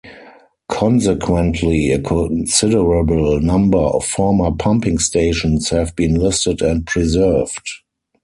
Consequently, a considerable number of former pumping stations have been listed and preserved.